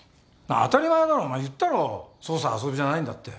当たり前だろお前言ったろ捜査は遊びじゃないんだって。